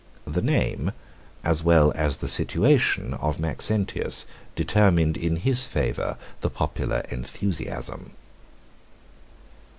The name, as well as the situation, of Maxentius determined in his favor the popular enthusiasm.